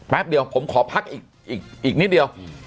แป๊บเดียวผมขอพักอีกนิดเดียว